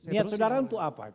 niat saudara untuk apa